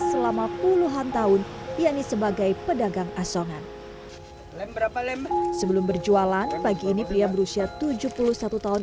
selama puluhan tahun yaitu sebagai pedagang asongan lembe sebelum berjualan pagi ini pria berusia tujuh puluh satu tahun